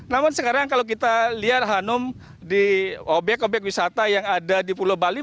namun sekarang kalau kita lihat hanum di obyek obyek wisata yang ada di pulau bali